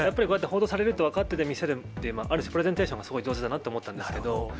ああやって報道されると分かっていて、見せるって、ある種、プレゼンテーションがすごい上手だなと思ったんですけれども。